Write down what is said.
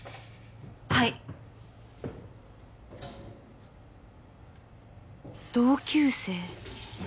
はい同級生